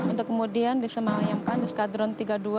untuk kemudian disemayamkan di skadron tiga puluh dua